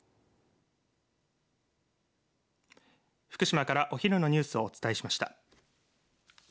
福島からお昼のニュースをお伝えしました。